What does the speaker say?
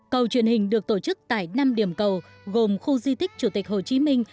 cầu truyền hình được tổ chức tại năm điểm cầu gồm khu di tích chủ tịch hồ chí minh